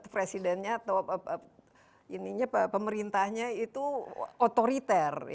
presidennya atau pemerintahnya itu otoriter